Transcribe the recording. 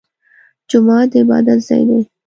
جومات د عبادت ځای دی